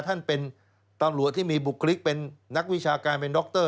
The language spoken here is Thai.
ท่านเป็นตำรวจที่มีบุคลิกเป็นนักวิชาการเป็นดร